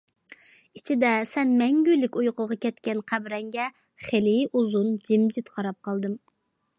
ئىچىدە سەن مەڭگۈلۈك ئۇيقۇغا كەتكەن قەبرەڭگە خېلى ئۇزۇن جىمجىت قاراپ قالدىم.